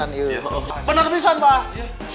benar bisa pak